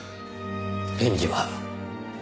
返事は？